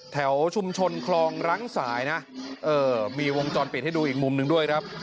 แถวชุมชนคลองรั้งสายนะมีวงจรปิดให้ดูอีกมุมหนึ่งด้วยครับ